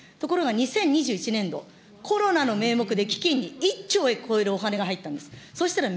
ところが２０２１年度、コロナの名目で基金に１兆を超えるお金が入ったんです。